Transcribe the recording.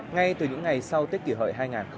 ngay từ những ngày sau tết kỷ hội hai nghìn một mươi chín